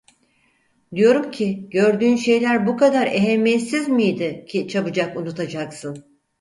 Diyorum ki, gördüğün şeyler bu kadar ehemmiyetsiz miydi ki çabucak unutacaksın?